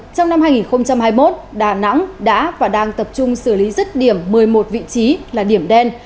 trong năm hai nghìn hai mươi một đà nẵng đã và đang tập trung xử lý rứt điểm một mươi một vị trí là điểm đen